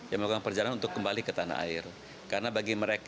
yang melakukan perjalanan untuk kembali ke tanah air